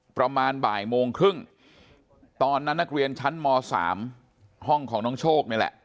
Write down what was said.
ประมาณบ่ายโมงครึ่งตอนนั้นนักเรียนชั้นม๓ห้องของน้องโชคนี่แหละ